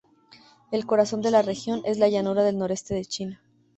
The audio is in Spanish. El corazón de la región es la llanura del noreste de China.